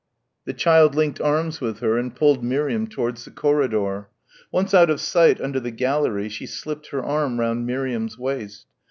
The child linked arms with her and pulled Miriam towards the corridor. Once out of sight under the gallery she slipped her arm round Miriam's waist.